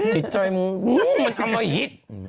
จิตใจมึงมึงมันเอามาหิด